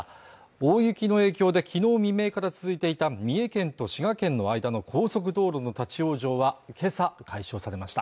大雪の影響できのう未明から続いていた三重県と滋賀県の間の高速道路の立往生はけさ解消されました